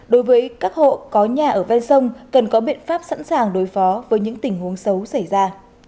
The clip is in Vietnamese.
đối với các hộ có nhà ở ven sông cần có biện pháp sẵn sàng đối phó với những tình huống xấu xảy ra